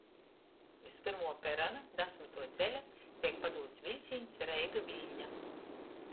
Iz pyrmuo perona dasmytuo ceļa teik padūts viļcīņs Reiga — Viļņa.